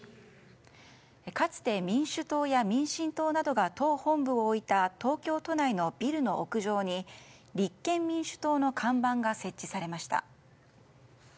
かつて、民主党や民進党などが党本部を置いた東京都内のビルの屋上に立憲民主党の看板が設置されました。